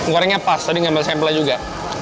gorengnya pas tadi ngambil sampel juga